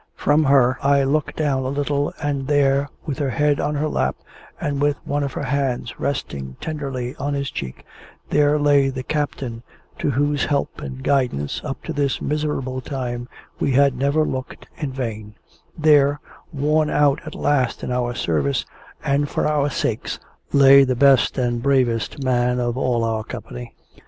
From her, I looked down a little, and there, with his head on her lap, and with one of her hands resting tenderly on his cheek there lay the Captain, to whose help and guidance, up to this miserable time, we had never looked in vain, there, worn out at last in our service, and for our sakes, lay the best and bravest man of all our company.